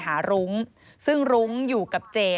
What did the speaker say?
ที่อ๊อฟวัย๒๓ปี